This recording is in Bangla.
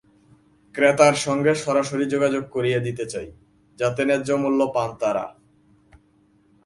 ক্রেতার সঙ্গে সরাসরি যোগাযোগ করিয়ে দিতে চাই, যাতে ন্যায্যমূল্য পান তাঁরা।